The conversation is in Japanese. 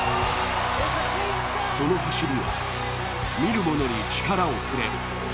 その走りは見る者に力をくれる。